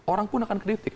orang pun akan kritik